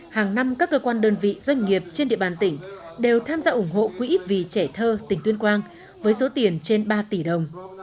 hàng năm các cơ quan đơn vị doanh nghiệp trên địa bàn tỉnh đều tham gia ủng hộ quỹ vì trẻ thơ tỉnh tuyên quang với số tiền trên ba tỷ đồng